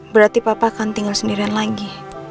berarti papa akan tinggal sendirian lagi